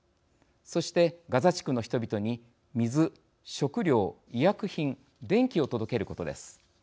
そして、ガザ地区の人々に水、食料、医薬品、電気を届けることです。